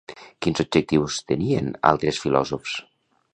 Quins objectius tenien altres filòsofs?